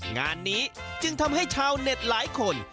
งานนี้จึงทำให้ชาวเน็ตหลายคน